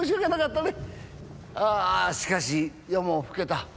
あしかし夜も更けた。